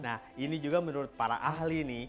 nah ini juga menurut para ahli nih